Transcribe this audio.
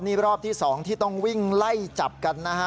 นี่รอบที่๒ที่ต้องวิ่งไล่จับกันนะฮะ